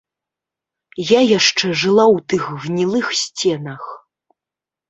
Я яшчэ жыла ў тых гнілых сценах.